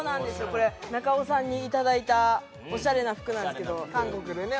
これ中尾さんにいただいたオシャレな服なんですけど韓国でね